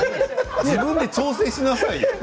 自分で調整しなさいよ。